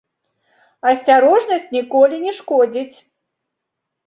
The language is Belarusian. Асцярожнасць ніколі не шкодзіць.